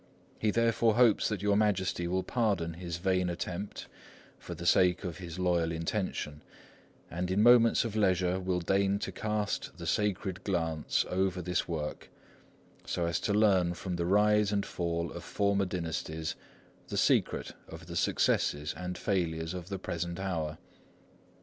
He therefore hopes that your Majesty will pardon his vain attempt for the sake of his loyal intention, and in moments of leisure will deign to cast the Sacred Glance over this work, so as to learn from the rise and fall of former dynasties the secret of the successes and failures of the present hour.